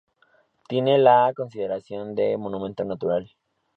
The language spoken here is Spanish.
Tiene la consideración de Monumento Natural.